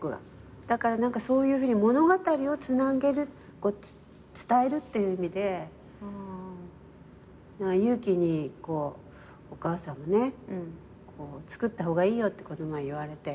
だからそういうふうに物語をつなげる伝えるっていう意味でゆう姫に「お母さんもね作った方がいいよ」ってこの前言われて。